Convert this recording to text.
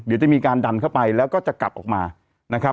เดี๋ยวจะมีการดันเข้าไปแล้วก็จะกลับออกมานะครับ